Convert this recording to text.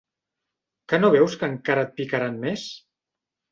Que no veus que encara et picaran més?